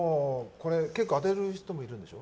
結構当てる人もいるんでしょ。